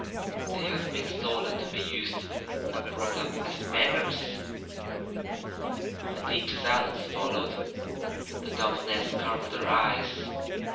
They have been stolen to be used and brought up as beggars." A deep silence followed. The governess covered her eyes.